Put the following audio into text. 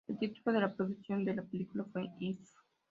El título de producción de la película fue "If".